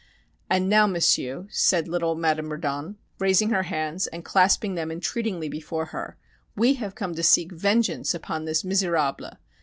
"And now, M'sieu'," said little Madame Reddon, raising her hands and clasping them entreatingly before her, "we have come to seek vengeance upon this misérable!